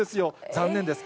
残念です。